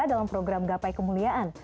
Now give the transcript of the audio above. dalam program gapai kemuliaan